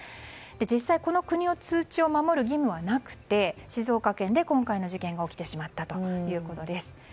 実際、この国の通知を守る義務はなくて静岡県で今回の事件が起きてしまったということです。